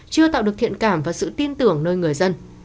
chưa tạo được thiện cảm và sự tin tưởng nơi người dân